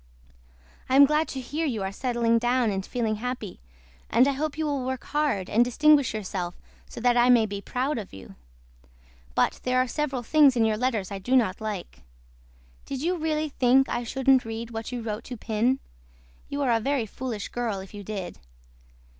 I AM GLAD TO HEAR YOU ARE SETTLING DOWN AND FEELING HAPPY AND I HOPE YOU WILL WORK HARD AND DISTINGUISH YOURSELF SO THAT I MAY BE PROUD OF YOU. BUT THERE ARE SEVERAL THINGS IN YOUR LETTERS I DO NOT LIKE. DID YOU REALLY THINK I SHOULDN'T READ WHAT YOU WROTE TO PIN. YOU ARE A VERY FOOLISH GIRL IF YOU DID.